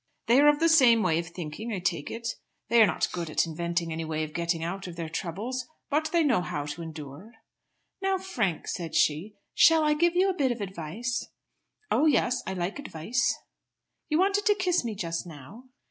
"They are of the same way of thinking, I take it. They are not good at inventing any way of getting out of their troubles; but they know how to endure." "Now, Frank," said she, "shall I give you a bit of advice?" "Oh yes! I like advice." "You wanted to kiss me just now."